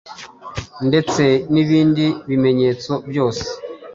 ndetse n’ibindi bimenyetso byose